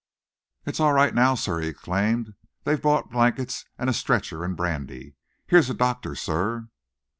"It's all right now, sir!" he exclaimed. "They've brought blankets and a stretcher and brandy. Here's a doctor, sir."